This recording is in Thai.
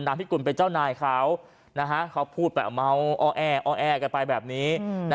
พิกุลเป็นเจ้านายเขาเขาพูดไปเมาอ้อแอกันไปแบบนี้